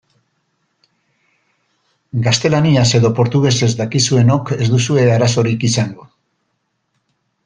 Gaztelaniaz edo portugesez dakizuenok ez duzue arazorik izango.